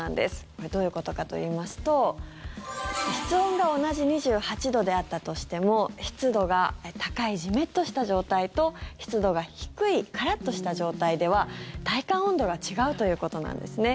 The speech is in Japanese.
これどういうことかといいますと室温が同じ２８度であったとしても湿度が高いジメッとした状態と湿度が低いカラッとした状態では体感温度が違うということなんですね。